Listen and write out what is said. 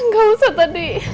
gak usah tadi